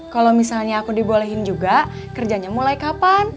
kalau misalnya aku dibolehin juga kerjanya mulai kapan